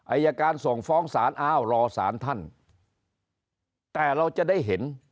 อายการส่งฟ้องศาลอ้าวรอสารท่านแต่เราจะได้เห็น